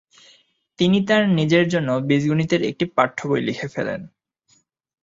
তিনি তার নিজের জন্য বীজগণিতের একটা পাঠ্যবই লিখে ফেলেন।